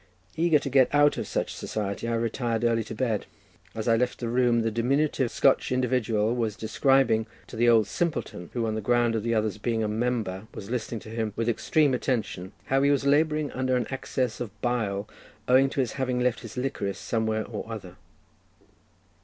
Eager to get out of such society, I retired early to bed. As I left the room the diminutive Scotch individual was describing to the old simpleton, who, on the ground of the other's being a "member," was listening to him with extreme attention, how he was labouring under an excess of bile, owing to his having left his licorice somewhere or other.